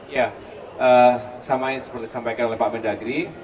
ya sama seperti yang disampaikan oleh pak bendagri